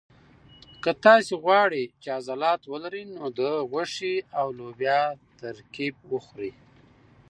که تاسي غواړئ چې عضلات ولرئ نو د غوښې او لوبیا ترکیب وخورئ.